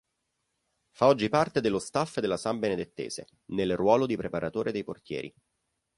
Fa oggi parte dello staff della Sambenedettese, nel ruolo di preparatore dei portieri.